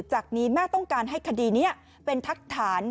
จากนี้แม่ต้องการให้คดีนี้เป็นทักฐาน